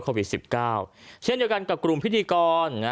โควิด๑๙เช่นเดียวกันกับกลุ่มพิธีกร